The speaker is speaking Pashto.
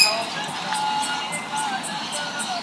.آسمانه چېغو ته مي زور ورکړه